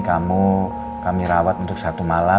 kamu kami rawat untuk satu hari ya